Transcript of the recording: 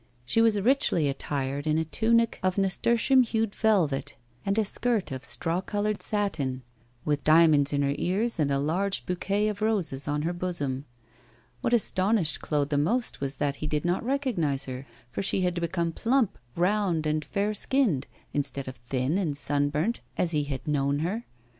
She was richly attired in a tunic of nasturtium hued velvet and a skirt of straw coloured satin, with diamonds in her ears and a large bouquet of roses on her bosom. What astonished Claude the most was that he did not recognise her, for she had become plump, round, and fair skinned, instead of thin and sunburnt as he had known her.